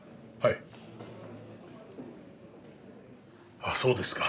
あっそうですか。